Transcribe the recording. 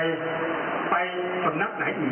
ก็ยังไม่รู้ว่ามันจะยังไม่รู้ว่า